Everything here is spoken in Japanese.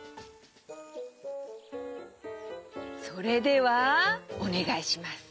それではおねがいします。